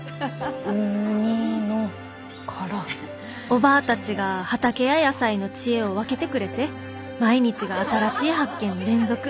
「おばぁたちが畑や野菜の知恵を分けてくれて毎日が新しい発見の連続。